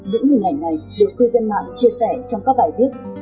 những hình ảnh này được cư dân mạng chia sẻ trong các bài viết